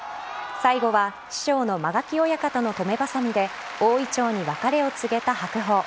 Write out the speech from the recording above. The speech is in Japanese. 最後は師匠の間垣親方の止めばさみで大銀杏に別れを告げた白鵬。